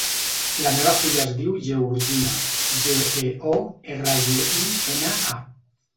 La meva filla es diu Georgina: ge, e, o, erra, ge, i, ena, a.